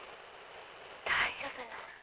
大丈夫なん？